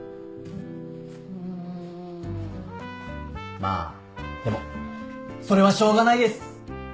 まあでもそれはしょうがないです。